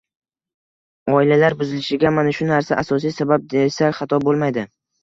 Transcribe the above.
Oilalar buzilishiga mana shu narsa asosiy sabab, desak xato bo‘lmaydi.